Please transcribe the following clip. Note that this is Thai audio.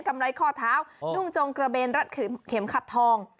ไรข้อเท้านุ่งจงกระเบนรัดเข็มขัดทอง